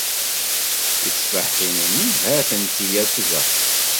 Titteffaḥin-nni ha-tent-i akk da.